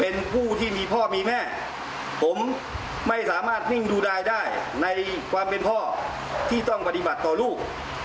ในความเป็นพ่อที่ต้องปฏิบัติต่อลูก